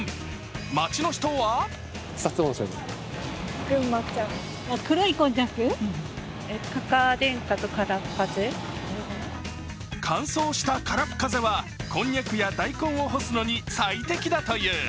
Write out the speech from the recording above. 街の人は乾燥した空っ風は、こんにゃくや大根を干すのに最適だという。